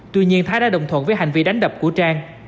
tuy nhiên thái đã đồng thuận với hành vi đánh đập của trang